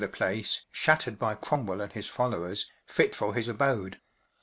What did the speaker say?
the place, shat¬ tered by Crom¬ well and his fol¬ lowers, fit for his abode.